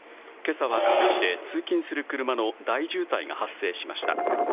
けさは各地で通勤する車の大渋滞が発生しました。